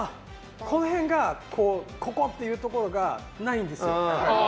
この辺が、ここっていうところがないんですよ。